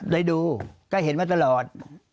ได้ดูก็เห็นมาตลอด